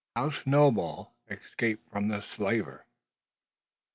HOW SNOWBALL ESCAPED FROM THE SLAVER.